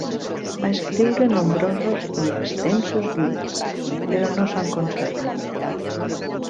Va escriure nombrosos i extensos llibres, però no s'han conservat.